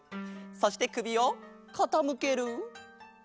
そしてくびをかたむける。